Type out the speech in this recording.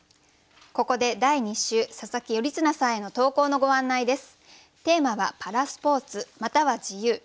ここで第２週佐佐木頼綱さんへの投稿のご案内です。